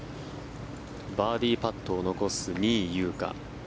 バーディーパットを残す仁井優花